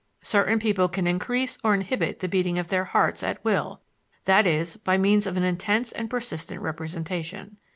Certain people can increase or inhibit the beating of their hearts at will, i.e., by means of an intense and persistent representation.